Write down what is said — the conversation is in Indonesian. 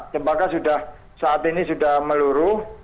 jempaka saat ini sudah meluruh